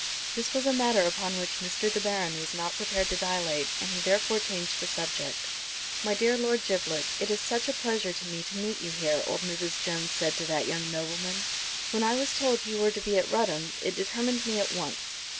This was a matter upon which Mr. De Baron was not prepared to dilate, and he therefore changed the subject. "My dear Lord Giblet, it is such a pleasure to me to meet you here," old Mrs. Jones said to that young nobleman. "When I was told you were to be at Rudham, it determined me at once."